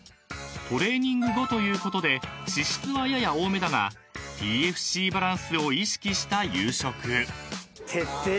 ［トレーニング後ということで脂質はやや多めだがＰＦＣバランスを意識した夕食］